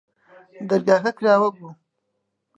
دەرگاکە کراوە بوو.